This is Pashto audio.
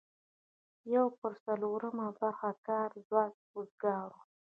یو پر څلورمه برخه کاري ځواک وزګار و.